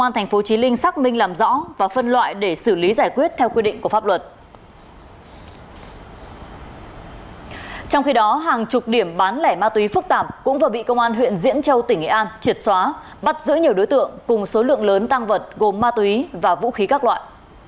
trong khi đó hàng chục điểm bán lẻ ma túy phức tạp cũng vừa bị công an huyện diễn châu tỉnh nghệ an triệt xóa bắt giữ nhiều đối tượng cùng số lượng lớn tăng vật gồm ma túy và vũ khí các loại